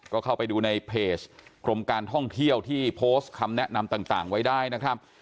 ก็เข้าไปดูในเพจกรมการท่องเที่ยวที่โพสต์คำแนะนำต่างไว้ได้นะครับ